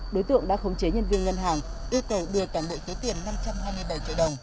đối tượng đã khống chế nhân viên ngân hàng yêu cầu đưa toàn bộ số tiền năm trăm hai mươi bảy triệu đồng